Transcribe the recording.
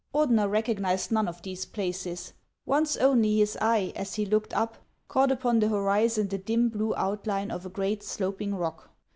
Ordener recognized none of these places. Once only his eye, as he looked up, caught upon the horizon the dim, blue outline of a great sloping rock.